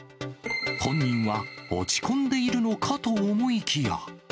本人は落ち込んでいるのかと思いきや。